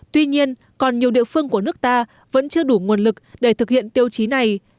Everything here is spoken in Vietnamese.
tuy nhiên còn nhiều địa phương của nước ta vẫn chưa đủ nguồn lực để thực hiện tiêu chí này